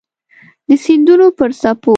د سیندونو پر څپو